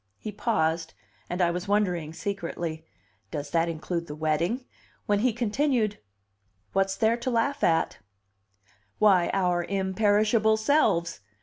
He paused, and I was wondering secretly, "Does that include the wedding?" when he continued: "What's there to laugh at?" "Why, our imperishable selves!